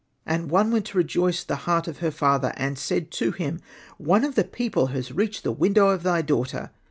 And one went to rejoice the heart of her father, and said to him, "One of the people has reached the window of thy daughter."